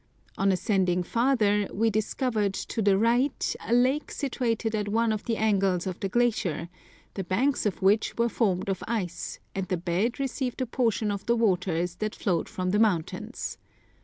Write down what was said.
On ascending farther, we discovered, to the right, a lake situated at one of the angles of the glacier, the banks of which were formed of ice, and the bed received a portion of the waters that flowed from the mountains.